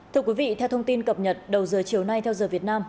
thưa quý vị theo thông tin cập nhật đầu giờ chiều nay theo giờ việt nam